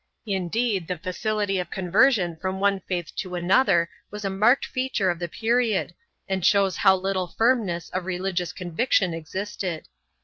Indeed, the facility of conversion from one faith to another was a marked feature of the period and shows how little firmness of religious conviction existed.